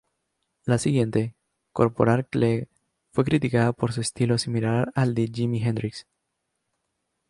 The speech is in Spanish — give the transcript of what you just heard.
La siguiente, "Corporal Clegg", fue criticada por su estilo similar al de Jimi Hendrix.